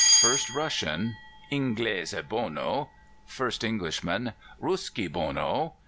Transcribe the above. First Russian: 'Englise bono!' First Englishman: 'Ruskie bono!